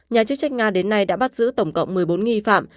nhà chức trách nga đến nay đã bắt giữ tổng cộng một mươi bốn nghi phạm